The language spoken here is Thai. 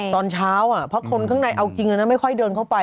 ตอนเช้าเพราะคนข้างในเอาจริงไม่ค่อยเดินเข้าไป